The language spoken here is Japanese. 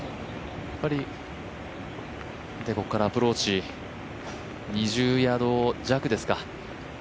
ここからアプローチ２０ヤード弱ですか。